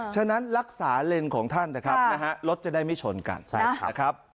ฉะนั้นรักษาเลนส์ของท่านนะครับนะฮะรถจะได้ไม่ชนกันนะครับ